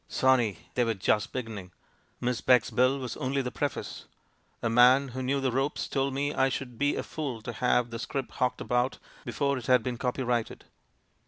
"Sonny, they were just beginning! Miss Beck's bill was only the preface. A man who knew the ropes told me I should be a fool to have the scrip hawked about before it had been copy righted.